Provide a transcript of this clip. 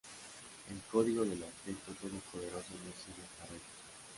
El Código del Objeto todopoderoso no sigue esta regla.